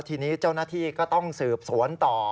ทีนี้เจ้าหน้าที่ก็ต้องสืบสวนต่อ